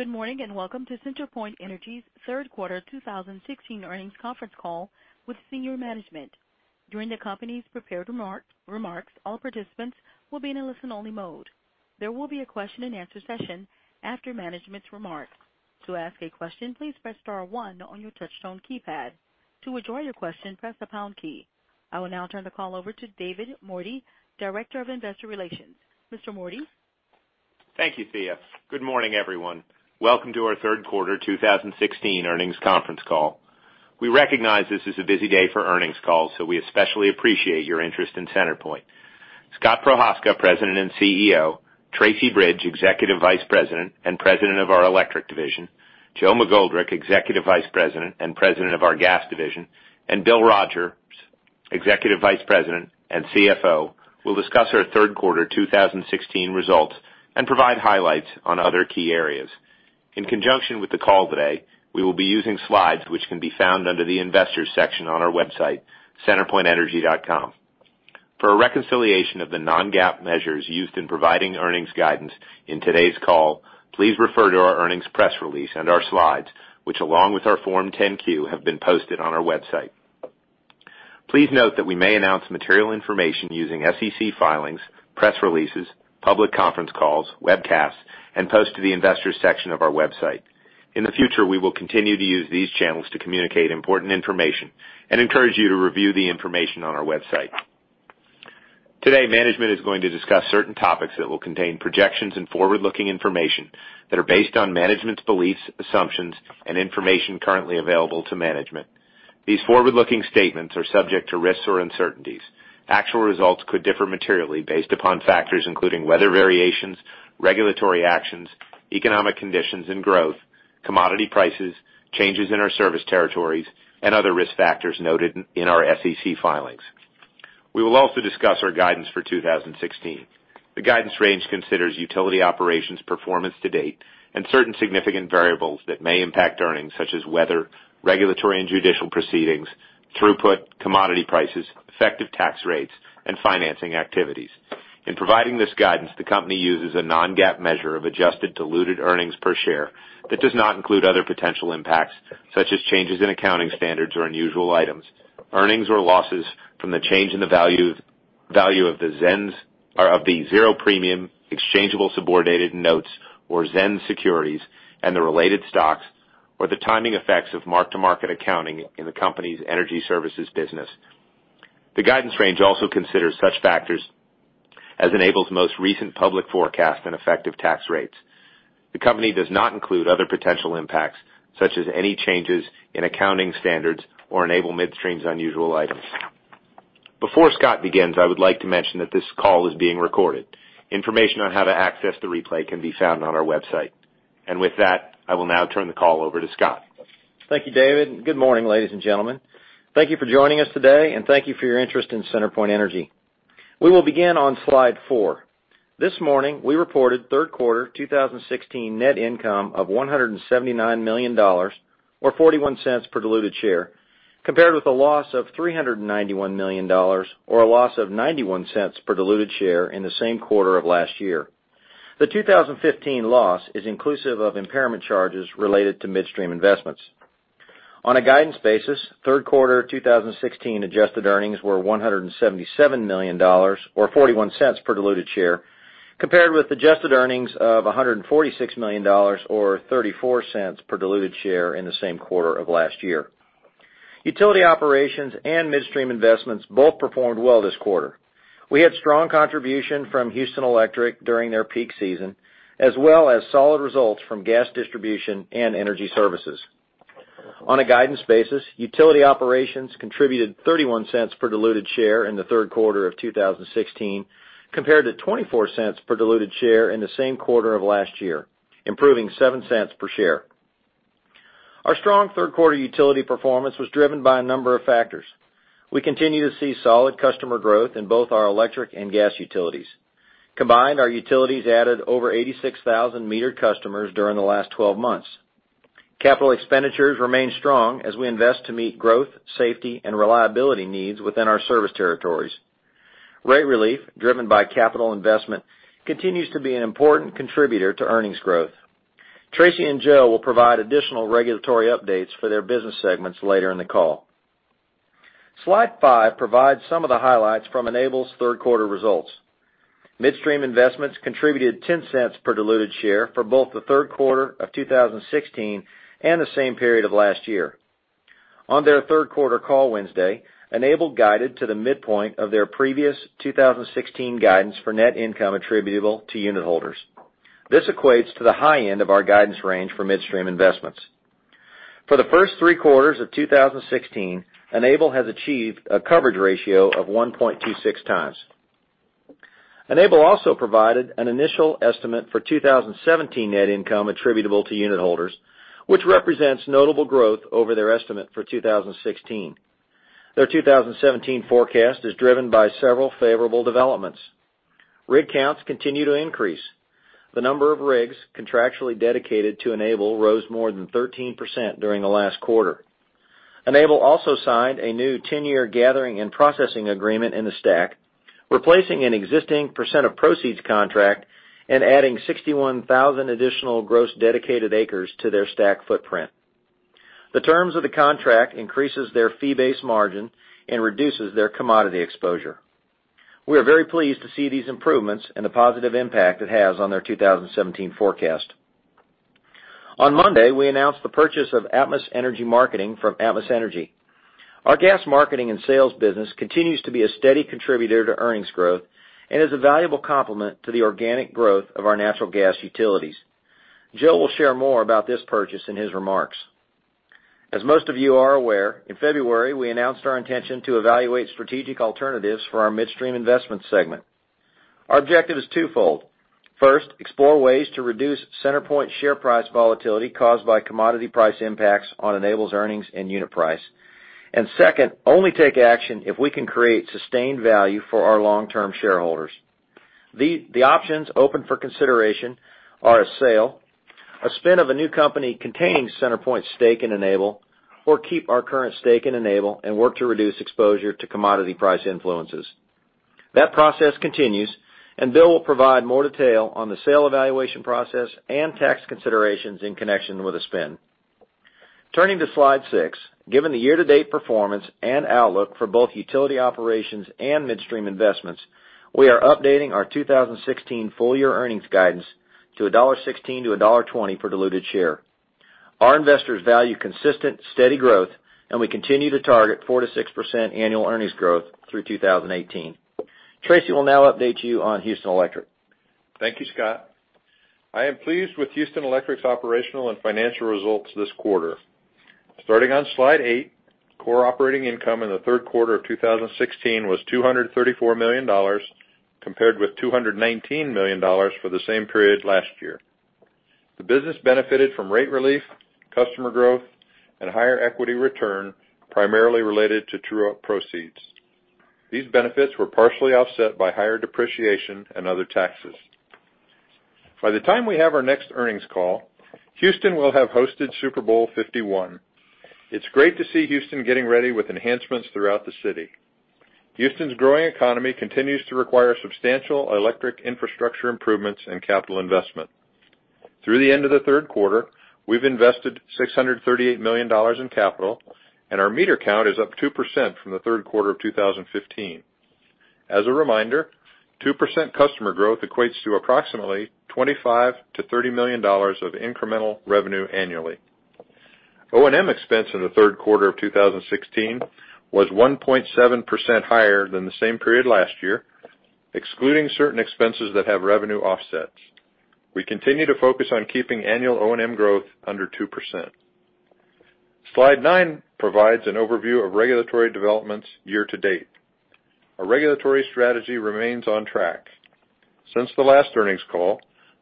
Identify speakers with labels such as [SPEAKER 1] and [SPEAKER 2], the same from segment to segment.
[SPEAKER 1] Good morning, welcome to CenterPoint Energy's third quarter 2016 earnings conference call with senior management. During the company's prepared remarks, all participants will be in a listen-only mode. There will be a question and answer session after management's remarks. To ask a question, please press star one on your touchtone keypad. To withdraw your question, press the pound key. I will now turn the call over to David Mordy, Director of Investor Relations. Mr. Mordy?
[SPEAKER 2] Thank you, Thea. Good morning, everyone. Welcome to our third quarter 2016 earnings conference call. We recognize this is a busy day for earnings calls, so we especially appreciate your interest in CenterPoint. Scott Prochazka, President and CEO, Tracy Bridge, Executive Vice President and President of our Electric Division, Joe McGoldrick, Executive Vice President and President of our Gas Division, and Bill Rogers, Executive Vice President and CFO, will discuss our third quarter 2016 results and provide highlights on other key areas. In conjunction with the call today, we will be using slides which can be found under the Investors section on our website, centerpointenergy.com. For a reconciliation of the non-GAAP measures used in providing earnings guidance in today's call, please refer to our earnings press release and our slides, which along with our Form 10-Q, have been posted on our website. Please note that we may announce material information using SEC filings, press releases, public conference calls, webcasts, and posts to the Investors section of our website. In the future, we will continue to use these channels to communicate important information and encourage you to review the information on our website. Today, management is going to discuss certain topics that will contain projections and forward-looking information that are based on management's beliefs, assumptions, and information currently available to management. These forward-looking statements are subject to risks or uncertainties. Actual results could differ materially based upon factors including weather variations, regulatory actions, economic conditions and growth, commodity prices, changes in our service territories, and other risk factors noted in our SEC filings. We will also discuss our guidance for 2016. The guidance range considers utility operations performance to date and certain significant variables that may impact earnings, such as weather, regulatory and judicial proceedings, throughput, commodity prices, effective tax rates, and financing activities. In providing this guidance, the company uses a non-GAAP measure of adjusted diluted earnings per share that does not include other potential impacts, such as changes in accounting standards or unusual items, earnings or losses from the change in the value of the ZENS or of the zero-premium exchangeable subordinated notes or ZENS securities and the related stocks, or the timing effects of mark-to-market accounting in the company's energy services business. The guidance range also considers such factors as Enable's most recent public forecast and effective tax rates. The company does not include other potential impacts, such as any changes in accounting standards or Enable Midstream's unusual items. Before Scott begins, I would like to mention that this call is being recorded. Information on how to access the replay can be found on our website. With that, I will now turn the call over to Scott.
[SPEAKER 3] Thank you, David. Good morning, ladies and gentlemen. Thank you for joining us today. Thank you for your interest in CenterPoint Energy. We will begin on slide four. This morning, we reported third quarter 2016 net income of $179 million, or $0.41 per diluted share, compared with a loss of $391 million, or a loss of $0.91 per diluted share in the same quarter of last year. The 2015 loss is inclusive of impairment charges related to midstream investments. On a guidance basis, third quarter 2016 adjusted earnings were $177 million, or $0.41 per diluted share, compared with adjusted earnings of $146 million or $0.34 per diluted share in the same quarter of last year. Utility operations and midstream investments both performed well this quarter. We had strong contribution from Houston Electric during their peak season, as well as solid results from gas distribution and energy services. On a guidance basis, utility operations contributed $0.31 per diluted share in the third quarter of 2016, compared to $0.24 per diluted share in the same quarter of last year, improving $0.07 per share. Our strong third quarter utility performance was driven by a number of factors. We continue to see solid customer growth in both our electric and gas utilities. Combined, our utilities added over 86,000 metered customers during the last 12 months. Capital expenditures remain strong as we invest to meet growth, safety, and reliability needs within our service territories. Rate relief, driven by capital investment, continues to be an important contributor to earnings growth. Tracy and Joe will provide additional regulatory updates for their business segments later in the call. Slide five provides some of the highlights from Enable's third quarter results. Midstream investments contributed $0.10 per diluted share for both the third quarter of 2016 and the same period of last year. On their third quarter call Wednesday, Enable guided to the midpoint of their previous 2016 guidance for net income attributable to unit holders. This equates to the high end of our guidance range for midstream investments. For the first three quarters of 2016, Enable has achieved a coverage ratio of 1.26 times. Enable also provided an initial estimate for 2017 net income attributable to unit holders, which represents notable growth over their estimate for 2016. Their 2017 forecast is driven by several favorable developments. Rig counts continue to increase. The number of rigs contractually dedicated to Enable rose more than 13% during the last quarter. Enable also signed a new 10-year gathering and processing agreement in the STACK, replacing an existing percent of proceeds contract and adding 61,000 additional gross dedicated acres to their STACK footprint. The terms of the contract increases their fee-based margin and reduces their commodity exposure. We are very pleased to see these improvements and the positive impact it has on their 2017 forecast. On Monday, we announced the purchase of Atmos Energy Marketing from Atmos Energy. Our gas marketing and sales business continues to be a steady contributor to earnings growth and is a valuable complement to the organic growth of our natural gas utilities. Joe will share more about this purchase in his remarks. As most of you are aware, in February, we announced our intention to evaluate strategic alternatives for our midstream investment segment. Our objective is twofold. First, explore ways to reduce CenterPoint share price volatility caused by commodity price impacts on Enable's earnings and unit price. Second, only take action if we can create sustained value for our long-term shareholders. The options open for consideration are a sale, a spin of a new company containing CenterPoint's stake in Enable, or keep our current stake in Enable and work to reduce exposure to commodity price influences. That process continues. Bill will provide more detail on the sale evaluation process and tax considerations in connection with a spin. Turning to slide six. Given the year-to-date performance and outlook for both utility operations and midstream investments, we are updating our 2016 full-year earnings guidance to $1.16 to $1.20 per diluted share. Our investors value consistent, steady growth, and we continue to target 4%-6% annual earnings growth through 2018. Tracy will now update you on Houston Electric.
[SPEAKER 4] Thank you, Scott. I am pleased with Houston Electric's operational and financial results this quarter. Starting on slide eight, core operating income in the third quarter of 2016 was $234 million, compared with $219 million for the same period last year. The business benefited from rate relief, customer growth, and higher equity return, primarily related to true-up proceeds. These benefits were partially offset by higher depreciation and other taxes. By the time we have our next earnings call, Houston will have hosted Super Bowl LI. It's great to see Houston getting ready with enhancements throughout the city. Houston's growing economy continues to require substantial electric infrastructure improvements and capital investment. Through the end of the third quarter, we've invested $638 million in capital, and our meter count is up 2% from the third quarter of 2015. As a reminder, 2% customer growth equates to approximately $25 million-$30 million of incremental revenue annually. O&M expense in the third quarter of 2016 was 1.7% higher than the same period last year, excluding certain expenses that have revenue offsets. We continue to focus on keeping annual O&M growth under 2%. Slide nine provides an overview of regulatory developments year-to-date. Our regulatory strategy remains on track. Since the last earnings call,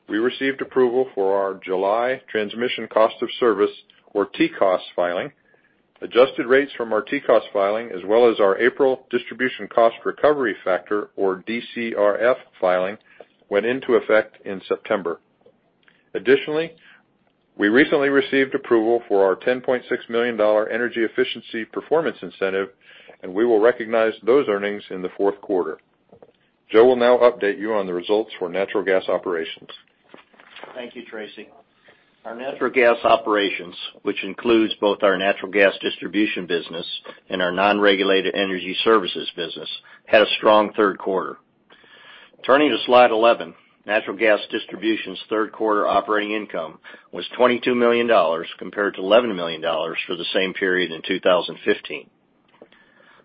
[SPEAKER 4] we received approval for our July Transmission Cost of Service, or TCOS, filing. Adjusted rates from our TCOS filing, as well as our April Distribution Cost Recovery Factor, or DCRF, filing went into effect in September. Additionally, we recently received approval for our $10.6 million energy efficiency performance incentive, and we will recognize those earnings in the fourth quarter. Joe will now update you on the results for natural gas operations.
[SPEAKER 5] Thank you, Tracy. Our natural gas operations, which includes both our natural gas distribution business and our non-regulated energy services business, had a strong third quarter. Turning to Slide 11. Natural gas distribution's third-quarter operating income was $22 million, compared to $11 million for the same period in 2015.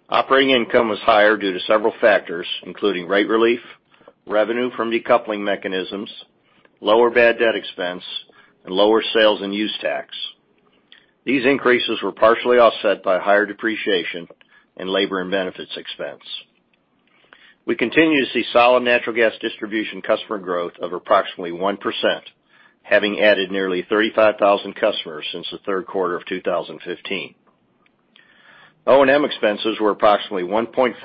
[SPEAKER 5] Operating income was higher due to several factors, including rate relief, revenue from decoupling mechanisms, lower bad debt expense, and lower sales and use tax. These increases were partially offset by higher depreciation in labor and benefits expense. We continue to see solid natural gas distribution customer growth of approximately 1%, having added nearly 35,000 customers since the third quarter of 2015. O&M expenses were approximately 1.5%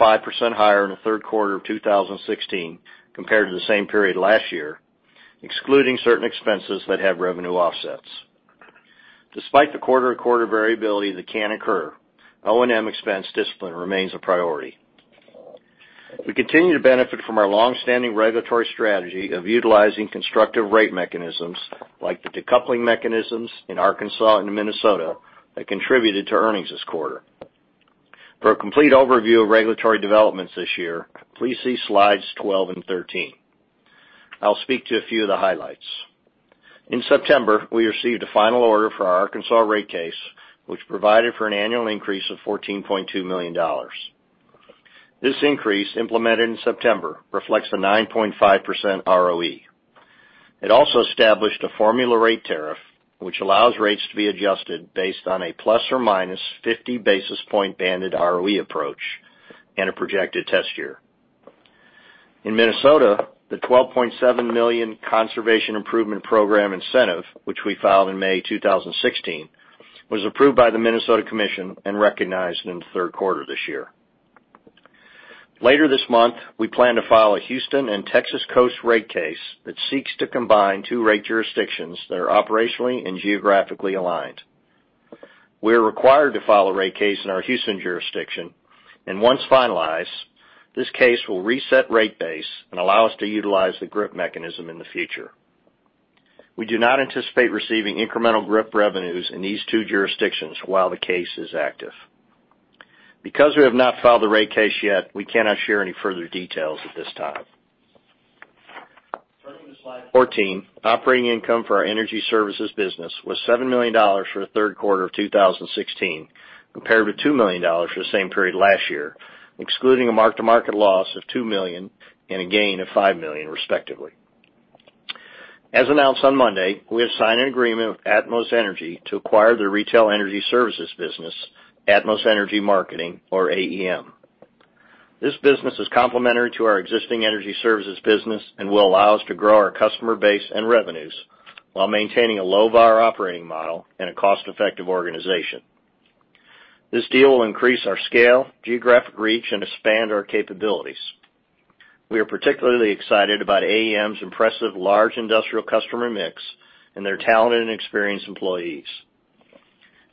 [SPEAKER 5] higher in the third quarter of 2016 compared to the same period last year, excluding certain expenses that have revenue offsets. Despite the quarter-to-quarter variability that can occur, O&M expense discipline remains a priority. We continue to benefit from our long-standing regulatory strategy of utilizing constructive rate mechanisms, like the decoupling mechanisms in Arkansas and Minnesota, that contributed to earnings this quarter. For a complete overview of regulatory developments this year, please see Slides 12 and 13. I'll speak to a few of the highlights. In September, we received a final order for our Arkansas rate case, which provided for an annual increase of $14.2 million. This increase, implemented in September, reflects a 9.5% ROE. It also established a formula rate tariff, which allows rates to be adjusted based on a ±50 basis point banded ROE approach and a projected test year. In Minnesota, the $12.7 million Conservation Improvement Program incentive, which we filed in May 2016, was approved by the Minnesota Commission and recognized in the third quarter this year. Later this month, we plan to file a Houston and Texas coast rate case that seeks to combine two rate jurisdictions that are operationally and geographically aligned. We are required to file a rate case in our Houston jurisdiction, and once finalized, this case will reset rate base and allow us to utilize the GRIP mechanism in the future. We do not anticipate receiving incremental GRIP revenues in these two jurisdictions while the case is active. Because we have not filed the rate case yet, we cannot share any further details at this time. Turning to Slide 14, operating income for our energy services business was $7 million for the third quarter of 2016 compared with $2 million for the same period last year, excluding a mark-to-market loss of $2 million and a gain of $5 million, respectively. As announced on Monday, we have signed an agreement with Atmos Energy to acquire their retail energy services business, Atmos Energy Marketing or AEM. This business is complementary to our existing energy services business and will allow us to grow our customer base and revenues while maintaining a low-VAR operating model and a cost-effective organization. This deal will increase our scale, geographic reach, and expand our capabilities. We are particularly excited about AEM's impressive large industrial customer mix and their talented and experienced employees.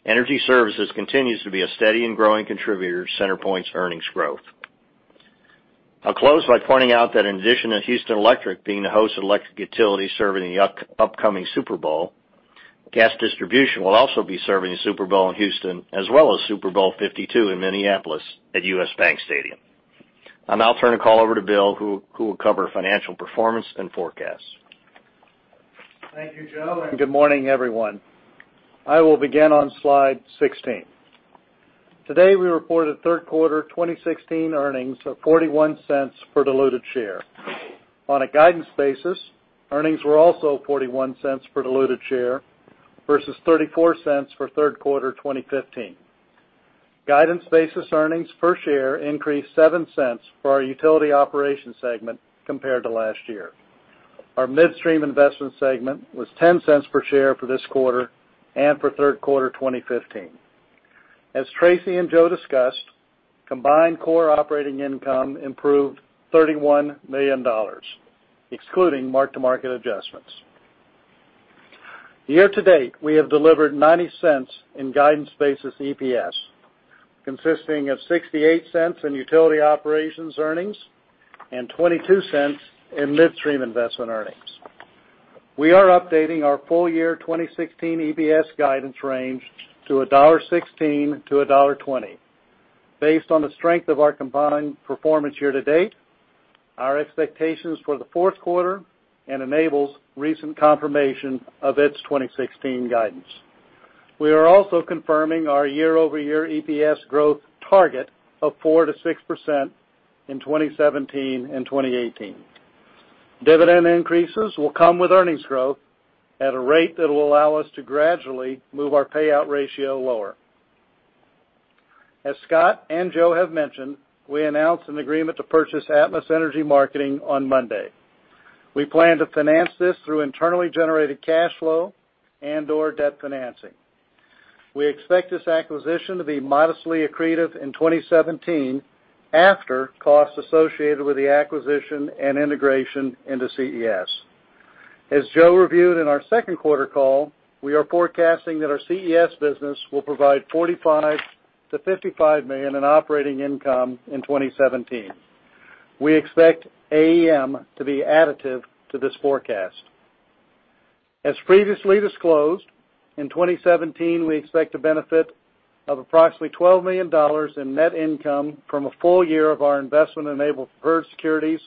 [SPEAKER 5] Energy services continues to be a steady and growing contributor to CenterPoint's earnings growth. I'll close by pointing out that in addition to Houston Electric being the host of electric utility serving the upcoming Super Bowl, gas distribution will also be serving the Super Bowl in Houston, as well as Super Bowl LII in Minneapolis at U.S. Bank Stadium. I'll now turn the call over to Bill, who will cover financial performance and forecast.
[SPEAKER 6] Thank you, Joe, and good morning, everyone. I will begin on slide 16. Today, we reported third quarter 2016 earnings of $0.41 per diluted share. On a guidance basis, earnings were also $0.41 per diluted share versus $0.34 for third quarter 2015. Guidance basis earnings per share increased $0.07 for our utility operations segment compared to last year. Our midstream investment segment was $0.10 per share for this quarter and for third quarter 2015. As Tracy and Joe discussed, combined core operating income improved $31 million, excluding mark-to-market adjustments. Year-to-date, we have delivered $0.90 in guidance basis EPS, consisting of $0.68 in utility operations earnings and $0.22 in midstream investment earnings. We are updating our full year 2016 EPS guidance range to $1.16 to $1.20. Based on the strength of our combined performance year-to-date, our expectations for the fourth quarter and Enable's recent confirmation of its 2016 guidance. We are also confirming our year-over-year EPS growth target of 4%-6% in 2017 and 2018. Dividend increases will come with earnings growth at a rate that will allow us to gradually move our payout ratio lower. As Scott and Joe have mentioned, we announced an agreement to purchase Atmos Energy Marketing on Monday. We plan to finance this through internally generated cash flow and/or debt financing. We expect this acquisition to be modestly accretive in 2017 after costs associated with the acquisition and integration into CES. As Joe reviewed in our second quarter call, we are forecasting that our CES business will provide $45 million-$55 million in operating income in 2017. We expect AEM to be additive to this forecast. As previously disclosed, in 2017, we expect a benefit of approximately $12 million in net income from a full year of our investment in Enable preferred securities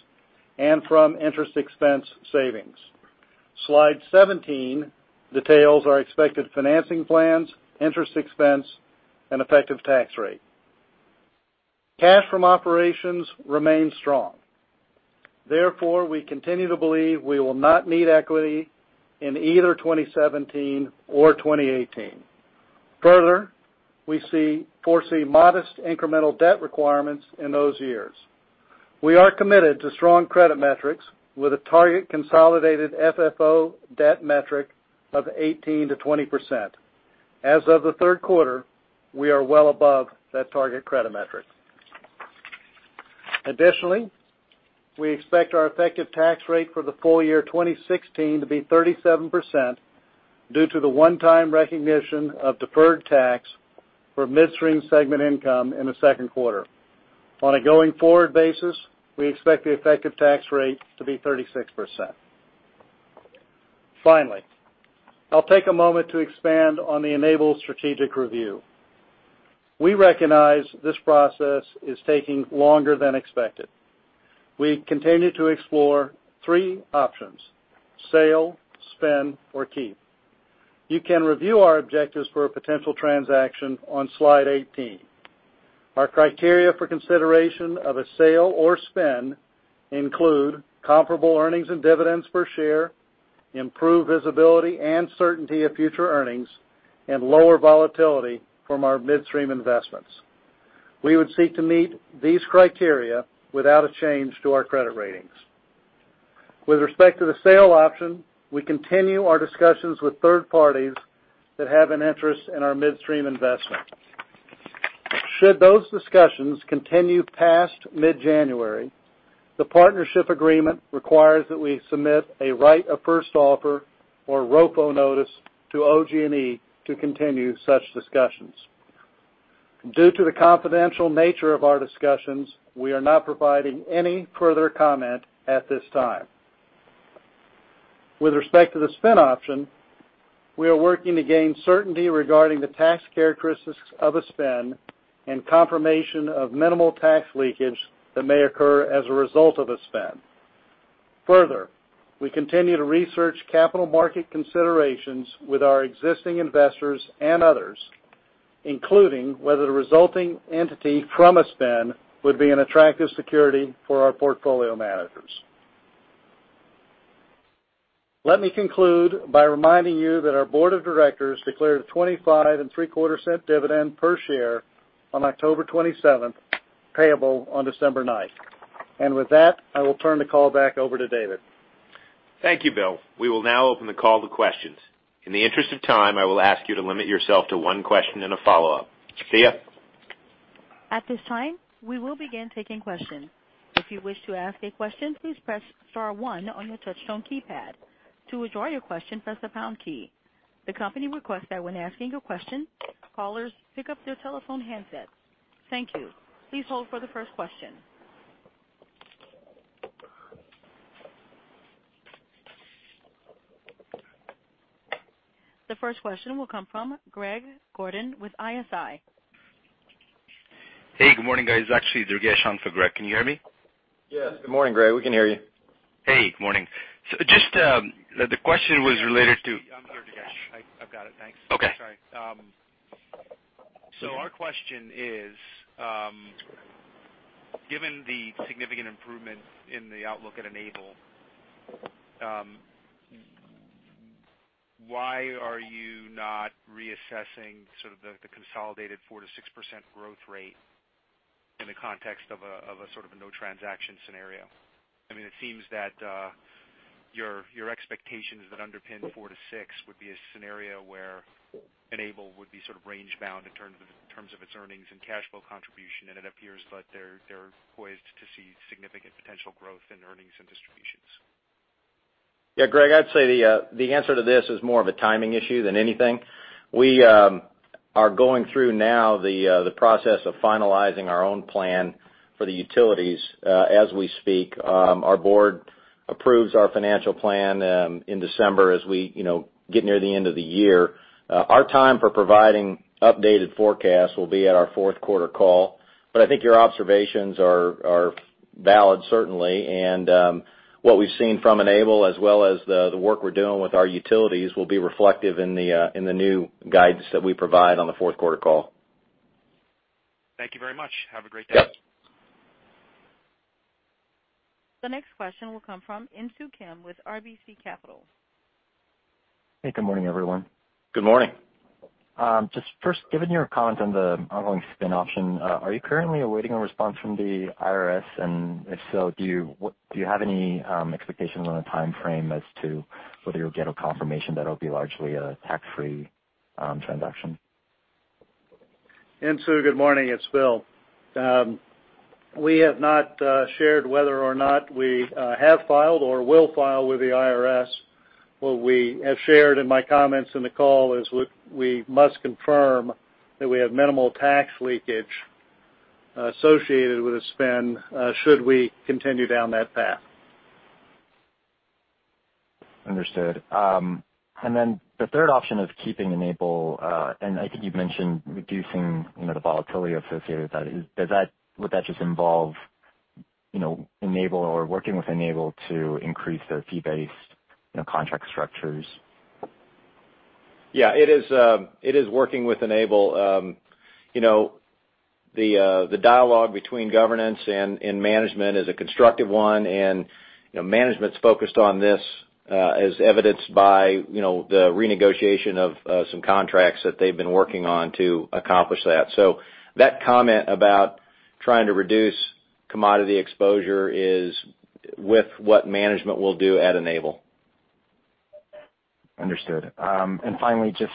[SPEAKER 6] and from interest expense savings. Slide 17 details our expected financing plans, interest expense, and effective tax rate. Cash from operations remains strong. We continue to believe we will not need equity in either 2017 or 2018. We foresee modest incremental debt requirements in those years. We are committed to strong credit metrics with a target consolidated FFO debt metric of 18%-20%. As of the third quarter, we are well above that target credit metric. We expect our effective tax rate for the full year 2016 to be 37% due to the one-time recognition of deferred tax for midstream segment income in the second quarter. On a going-forward basis, we expect the effective tax rate to be 36%. I'll take a moment to expand on the Enable strategic review. We recognize this process is taking longer than expected. We continue to explore three options: sale, spin, or keep. You can review our objectives for a potential transaction on slide 18. Our criteria for consideration of a sale or spin include comparable earnings and dividends per share, improved visibility and certainty of future earnings, and lower volatility from our midstream investments. We would seek to meet these criteria without a change to our credit ratings. With respect to the sale option, we continue our discussions with third parties that have an interest in our midstream investment. Should those discussions continue past mid-January, the partnership agreement requires that we submit a Right of First Offer or ROFO notice to OG&E to continue such discussions. Due to the confidential nature of our discussions, we are not providing any further comment at this time. With respect to the spin option, we are working to gain certainty regarding the tax characteristics of a spin and confirmation of minimal tax leakage that may occur as a result of a spin. We continue to research capital market considerations with our existing investors and others, including whether the resulting entity from a spin would be an attractive security for our portfolio managers. Let me conclude by reminding you that our board of directors declared a $0.2575 dividend per share on October 27th, payable on December 9th. With that, I will turn the call back over to David.
[SPEAKER 2] Thank you, Bill. We will now open the call to questions. In the interest of time, I will ask you to limit yourself to one question and a follow-up. Thea?
[SPEAKER 1] At this time, we will begin taking questions. If you wish to ask a question, please press star one on your touchtone keypad. To withdraw your question, press the pound key. The company requests that when asking a question, callers pick up their telephone handsets. Thank you. Please hold for the first question. The first question will come from Greg Gordon with ISI.
[SPEAKER 7] Hey, good morning, guys. Actually, Durgesh on for Greg. Can you hear me?
[SPEAKER 3] Yes. Good morning, Greg. We can hear you.
[SPEAKER 7] Hey, good morning. I'm Durgesh. I've got it. Thanks. Okay. Sorry. Our question is, given the significant improvements in the outlook at Enable, why are you not reassessing the consolidated 4%-6% growth rate in the context of a no transaction scenario? It seems that your expectations that underpin 4-6 would be a scenario where Enable would be range bound in terms of its earnings and cash flow contribution. It appears that they're poised to see significant potential growth in earnings and distributions.
[SPEAKER 3] Yeah, Greg, I'd say the answer to this is more of a timing issue than anything. We are going through now the process of finalizing our own plan for the utilities as we speak. Our board approves our financial plan in December as we get near the end of the year. Our time for providing updated forecasts will be at our fourth quarter call. I think your observations are valid certainly, and what we've seen from Enable as well as the work we're doing with our utilities will be reflective in the new guidance that we provide on the fourth quarter call.
[SPEAKER 7] Thank you very much. Have a great day.
[SPEAKER 3] Yep.
[SPEAKER 1] The next question will come from Insoo Kim with RBC Capital.
[SPEAKER 8] Hey, good morning, everyone.
[SPEAKER 3] Good morning.
[SPEAKER 8] First, given your comment on the ongoing spin option, are you currently awaiting a response from the IRS? If so, do you have any expectations on a timeframe as to whether you'll get a confirmation that it'll be largely a tax-free transaction?
[SPEAKER 6] Insoo, good morning. It's Bill. We have not shared whether or not we have filed or will file with the IRS. What we have shared in my comments in the call is we must confirm that we have minimal tax leakage associated with a spin should we continue down that path.
[SPEAKER 8] Understood. The third option is keeping Enable, and I think you've mentioned reducing the volatility associated with that. Would that just involve Enable or working with Enable to increase their fee-based contract structures?
[SPEAKER 3] Yeah, it is working with Enable. The dialogue between governance and management is a constructive one. Management's focused on this as evidenced by the renegotiation of some contracts that they've been working on to accomplish that. That comment about trying to reduce commodity exposure is with what management will do at Enable.
[SPEAKER 8] Understood. Finally, just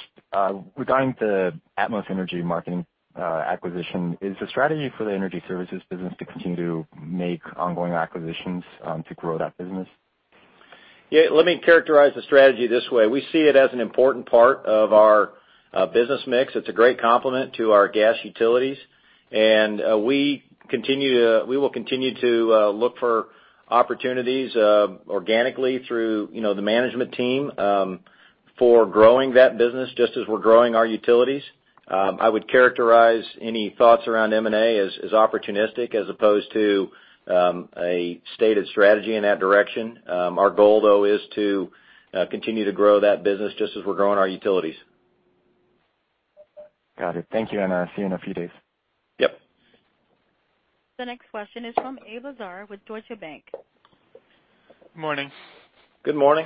[SPEAKER 8] regarding the Atmos Energy Marketing acquisition, is the strategy for the energy services business to continue to make ongoing acquisitions to grow that business?
[SPEAKER 3] Yeah, let me characterize the strategy this way. We see it as an important part of our business mix. It's a great complement to our gas utilities. We will continue to look for opportunities organically through the management team for growing that business just as we're growing our utilities. I would characterize any thoughts around M&A as opportunistic as opposed to a stated strategy in that direction. Our goal, though, is to continue to grow that business just as we're growing our utilities.
[SPEAKER 8] Got it. Thank you. I'll see you in a few days.
[SPEAKER 3] Yep.
[SPEAKER 1] The next question is from Abe Azar with Deutsche Bank.
[SPEAKER 9] Morning.
[SPEAKER 3] Good morning.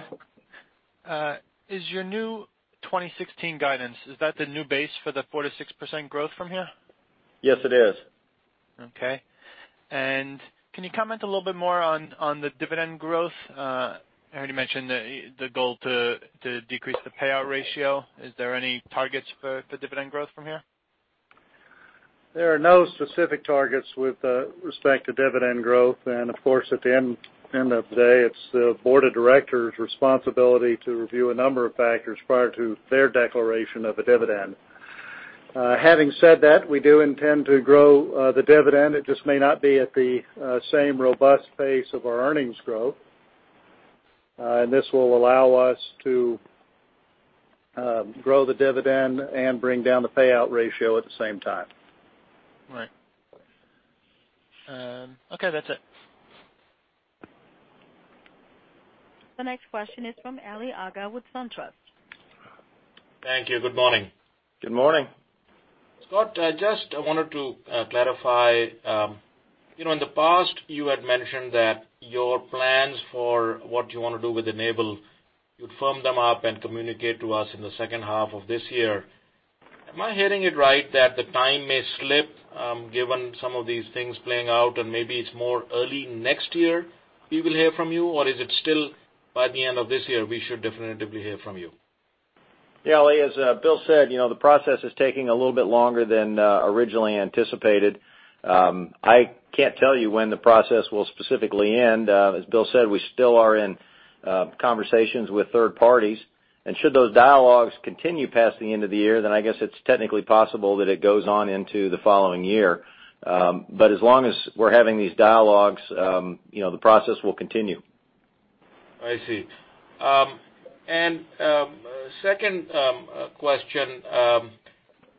[SPEAKER 9] Is your new 2016 guidance, is that the new base for the 4%-6% growth from here?
[SPEAKER 6] Yes, it is.
[SPEAKER 9] Okay. Can you comment a little bit more on the dividend growth? I heard you mention the goal to decrease the payout ratio. Is there any targets for dividend growth from here?
[SPEAKER 6] There are no specific targets with respect to dividend growth. Of course, at the end of the day, it's the board of directors' responsibility to review a number of factors prior to their declaration of a dividend. Having said that, we do intend to grow the dividend. It just may not be at the same robust pace of our earnings growth. This will allow us to grow the dividend and bring down the payout ratio at the same time.
[SPEAKER 9] Right. Okay, that's it.
[SPEAKER 1] The next question is from Ali Agha with SunTrust.
[SPEAKER 10] Thank you. Good morning.
[SPEAKER 6] Good morning.
[SPEAKER 10] Scott, I just wanted to clarify. In the past, you had mentioned that your plans for what you want to do with Enable, you'd firm them up and communicate to us in the second half of this year. Am I hearing it right that the time may slip, given some of these things playing out, and maybe it's more early next year we will hear from you? Or is it still by the end of this year, we should definitively hear from you?
[SPEAKER 3] Yeah, Ali, as Bill said, the process is taking a little bit longer than originally anticipated. I can't tell you when the process will specifically end. As Bill said, we still are in conversations with third parties, and should those dialogues continue past the end of the year, then I guess it's technically possible that it goes on into the following year. As long as we're having these dialogues, the process will continue.
[SPEAKER 10] I see. Second question,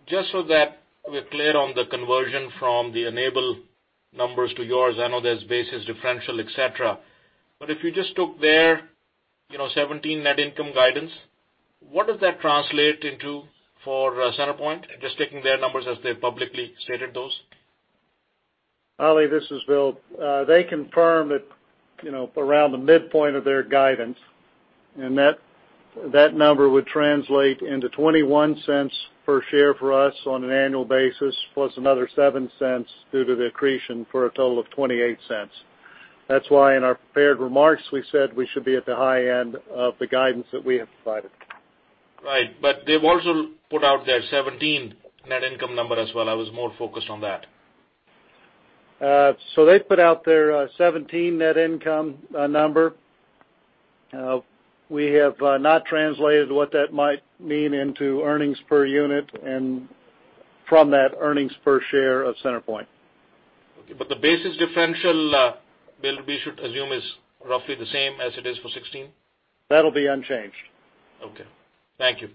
[SPEAKER 10] just so that we're clear on the conversion from the Enable numbers to yours. I know there's basis differential, et cetera. If you just took their 2017 net income guidance, what does that translate into for CenterPoint Energy? Just taking their numbers as they publicly stated those.
[SPEAKER 6] Ali Agha, this is Bill Rogers. They confirmed that around the midpoint of their guidance. That number would translate into $0.21 per share for us on an annual basis, plus another $0.07 due to the accretion for a total of $0.28. That's why in our prepared remarks, we said we should be at the high end of the guidance that we have provided.
[SPEAKER 10] Right. They've also put out their 2017 net income number as well. I was more focused on that.
[SPEAKER 6] They've put out their 2017 net income number. We have not translated what that might mean into earnings per unit and from that earnings per share of CenterPoint Energy.
[SPEAKER 10] Okay. The basis differential, Bill, we should assume is roughly the same as it is for 2016?
[SPEAKER 6] That'll be unchanged.
[SPEAKER 10] Okay. Thank you.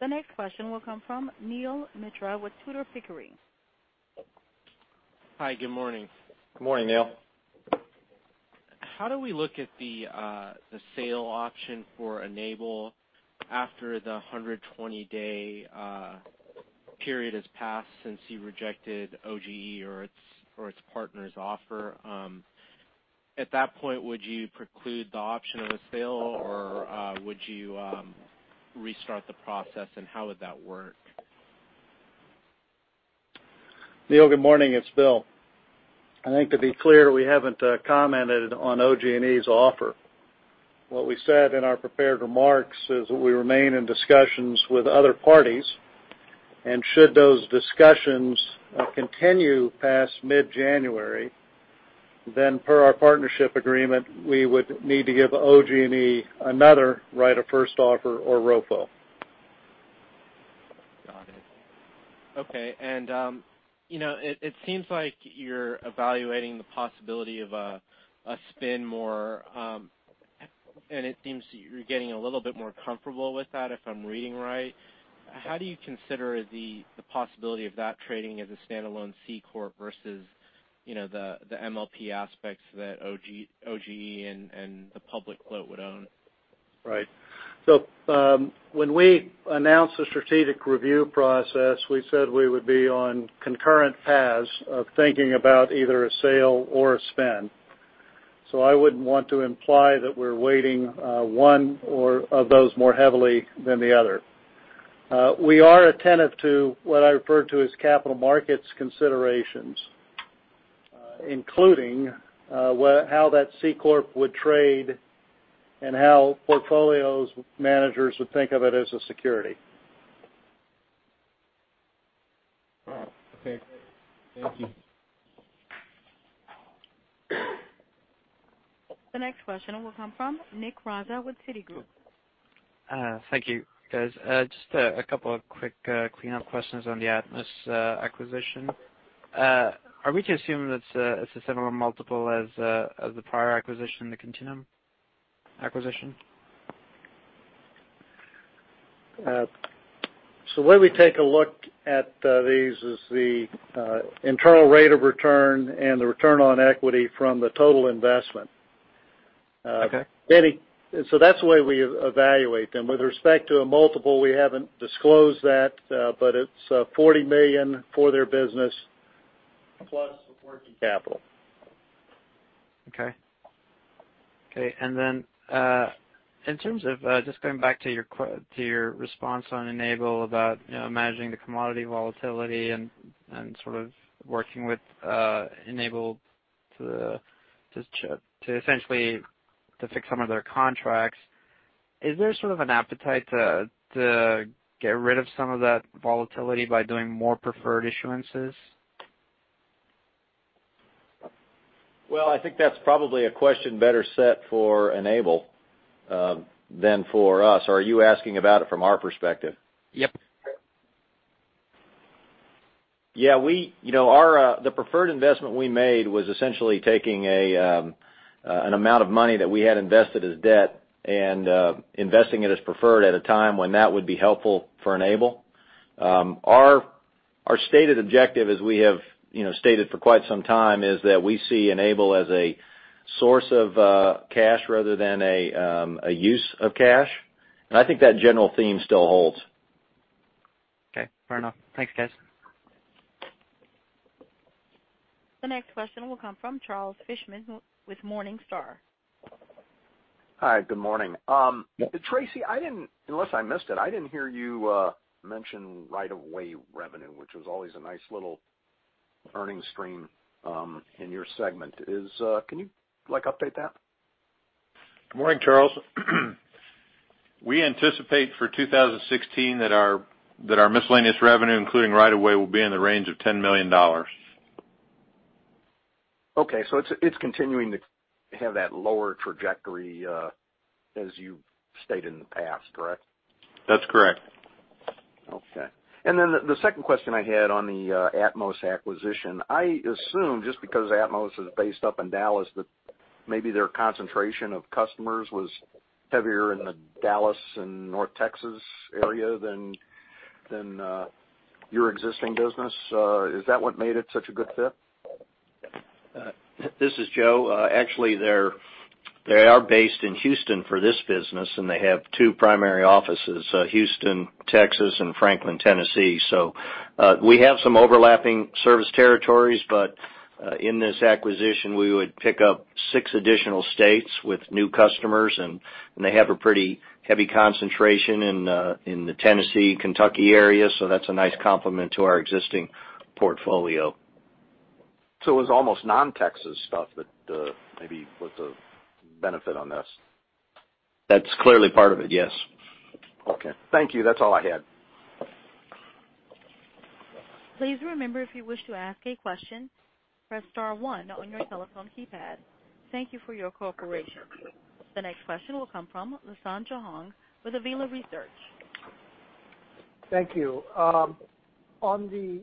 [SPEAKER 1] The next question will come from Neel Mitra with Tudor, Pickering.
[SPEAKER 11] Hi, good morning.
[SPEAKER 6] Good morning, Neel.
[SPEAKER 11] How do we look at the sale option for Enable after the 120-day period has passed since you rejected OG&E or its partner's offer? At that point, would you preclude the option of a sale or would you restart the process, and how would that work?
[SPEAKER 6] Neel, good morning. It's Bill. I think to be clear, we haven't commented on OG&E's offer. What we said in our prepared remarks is that we remain in discussions with other parties, and should those discussions continue past mid-January, per our partnership agreement, we would need to give OG&E another right of first offer or ROFO.
[SPEAKER 11] Got it. Okay. It seems like you're evaluating the possibility of a spin more, and it seems you're getting a little bit more comfortable with that, if I'm reading right. How do you consider the possibility of that trading as a standalone C corp versus the MLP aspects that OG&E and the public float would own?
[SPEAKER 6] Right. When we announced the strategic review process, we said we would be on concurrent paths of thinking about either a sale or a spin. I wouldn't want to imply that we're weighting one of those more heavily than the other. We are attentive to what I refer to as capital markets considerations, including how that C corp would trade and how portfolios managers would think of it as a security.
[SPEAKER 11] Okay. Thank you.
[SPEAKER 1] The next question will come from Nick Raza with Citigroup.
[SPEAKER 12] Thank you, guys. Just a couple of quick cleanup questions on the Atmos acquisition. Are we to assume it's a similar multiple as the prior acquisition, the Continuum acquisition?
[SPEAKER 6] The way we take a look at these is the internal rate of return and the return on equity from the total investment.
[SPEAKER 12] Okay.
[SPEAKER 6] That's the way we evaluate them. With respect to a multiple, we haven't disclosed that, but it's $40 million for their business.
[SPEAKER 3] Plus working capital.
[SPEAKER 12] Okay. Then, in terms of, just going back to your response on Enable about managing the commodity volatility and working with Enable to essentially fix some of their contracts. Is there an appetite to get rid of some of that volatility by doing more preferred issuances?
[SPEAKER 3] Well, I think that's probably a question better set for Enable than for us. Are you asking about it from our perspective?
[SPEAKER 12] Yep.
[SPEAKER 3] Yeah. The preferred investment we made was essentially taking an amount of money that we had invested as debt and investing it as preferred at a time when that would be helpful for Enable. Our stated objective, as we have stated for quite some time, is that we see Enable as a source of cash rather than a use of cash. I think that general theme still holds.
[SPEAKER 12] Okay. Fair enough. Thanks, guys.
[SPEAKER 1] The next question will come from Charles Fishman with Morningstar.
[SPEAKER 13] Hi, good morning. Tracy, unless I missed it, I didn't hear you mention right-of-way revenue, which was always a nice little earnings stream in your segment. Can you update that?
[SPEAKER 4] Good morning, Charles. We anticipate for 2016 that our miscellaneous revenue, including right-of-way, will be in the range of $10 million.
[SPEAKER 13] Okay, it's continuing to have that lower trajectory, as you've stated in the past, correct?
[SPEAKER 4] That's correct.
[SPEAKER 13] Okay. The second question I had on the Atmos acquisition. I assume just because Atmos is based up in Dallas, that maybe their concentration of customers was heavier in the Dallas and North Texas area than your existing business. Is that what made it such a good fit?
[SPEAKER 5] This is Joe. Actually, they are based in Houston for this business, and they have two primary offices, Houston, Texas, and Franklin, Tennessee. We have some overlapping service territories. In this acquisition, we would pick up six additional states with new customers, and they have a pretty heavy concentration in the Tennessee, Kentucky area. That's a nice complement to our existing portfolio.
[SPEAKER 13] It was almost non-Texas stuff that maybe was a benefit on this?
[SPEAKER 5] That's clearly part of it, yes.
[SPEAKER 13] Okay. Thank you. That's all I had.
[SPEAKER 1] Please remember, if you wish to ask a question, press star one on your telephone keypad. Thank you for your cooperation. The next question will come from Lasan Johong with Auvila Research.
[SPEAKER 14] Thank you. On the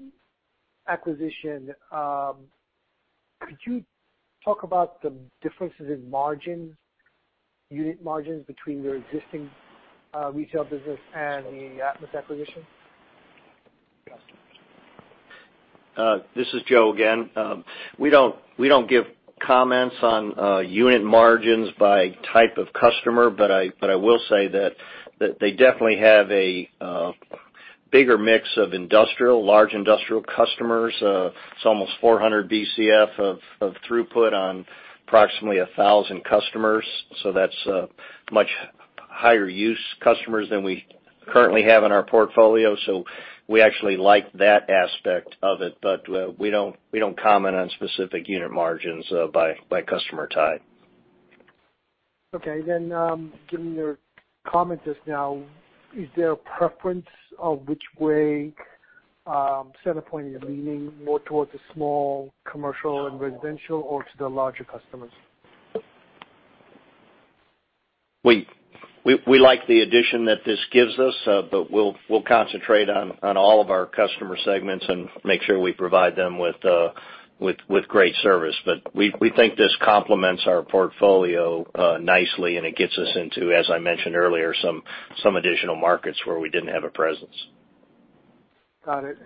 [SPEAKER 14] acquisition, could you talk about the differences in unit margins between your existing retail business and the Atmos acquisition?
[SPEAKER 5] This is Joe again. We don't give comments on unit margins by type of customer. I will say that they definitely have a bigger mix of large industrial customers. It's almost 400 BCF of throughput on approximately 1,000 customers. That's much higher use customers than we currently have in our portfolio. We actually like that aspect of it. We don't comment on specific unit margins by customer type.
[SPEAKER 14] Okay. Given your comments just now, is there a preference of which way CenterPoint is leaning, more towards the small commercial and residential or to the larger customers?
[SPEAKER 5] We like the addition that this gives us. We'll concentrate on all of our customer segments and make sure we provide them with great service. We think this complements our portfolio nicely, it gets us into, as I mentioned earlier, some additional markets where we didn't have a presence.
[SPEAKER 14] Got it.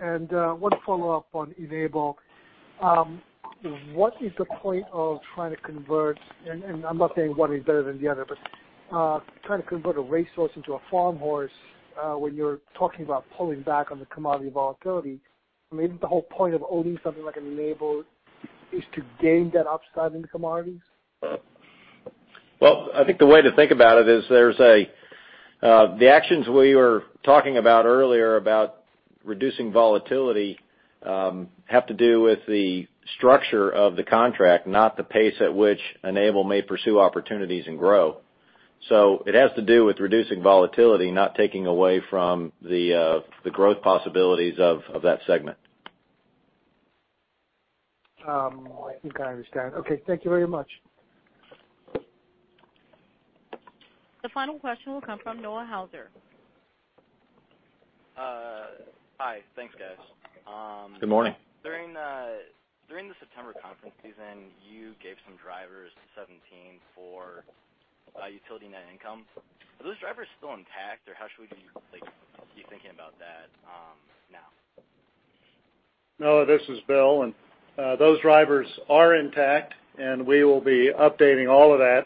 [SPEAKER 14] One follow-up on Enable. What is the point of trying to convert, and I'm not saying one is better than the other, trying to convert a racehorse into a farm horse when you're talking about pulling back on the commodity volatility? I mean, isn't the whole point of owning something like an Enable is to gain that upside in the commodities?
[SPEAKER 3] Well, I think the way to think about it is, the actions we were talking about earlier about reducing volatility have to do with the structure of the contract, not the pace at which Enable may pursue opportunities and grow. It has to do with reducing volatility, not taking away from the growth possibilities of that segment.
[SPEAKER 14] I think I understand. Okay, thank you very much.
[SPEAKER 1] The final question will come from Noah Hauser.
[SPEAKER 15] Hi. Thanks, guys.
[SPEAKER 6] Good morning.
[SPEAKER 15] During the September conference season, you gave some drivers to 2017 for utility net income. Are those drivers still intact, or how should we be thinking about that now?
[SPEAKER 6] Noah, this is Bill, and those drivers are intact, and we will be updating all of that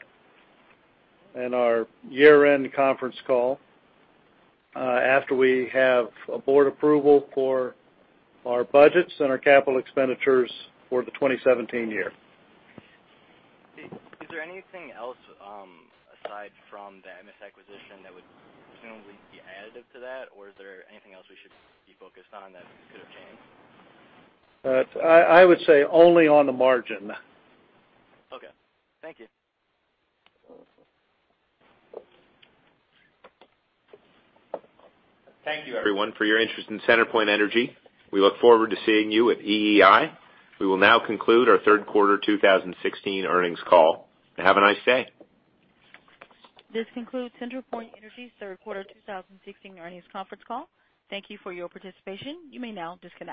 [SPEAKER 6] in our year-end conference call after we have a board approval for our budgets and our capital expenditures for the 2017 year.
[SPEAKER 15] Is there anything else aside from the Atmos acquisition that would presumably be additive to that, or is there anything else we should be focused on that could have changed?
[SPEAKER 6] I would say only on the margin.
[SPEAKER 15] Okay. Thank you.
[SPEAKER 3] Thank you, everyone, for your interest in CenterPoint Energy. We look forward to seeing you at EEI. We will now conclude our third quarter 2016 earnings call. Have a nice day.
[SPEAKER 1] This concludes CenterPoint Energy's third quarter 2016 earnings conference call. Thank you for your participation. You may now disconnect.